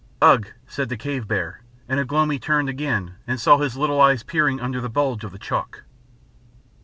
"Ugh?" said the cave bear, and Ugh lomi turned again and saw his little eyes peering under the bulge of the chalk.